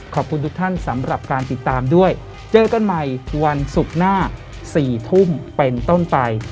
ขอบคุณทุกท่านสำหรับการติดตามด้วยเจอกันใหม่วันศุกร์หน้า๔ทุ่มเป็นต้นไป